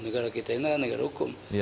negara kita ini adalah negara hukum